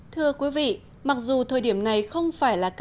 thưa quý vị mặc dù thời điểm này không phải là một lúc đẹp